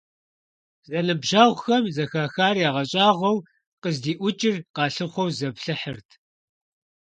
Зэныбжьэгъухэм, зэхахар ягъэщӀагъуэу, къыздиӀукӀыр къалъыхъуэу заплъыхьырт.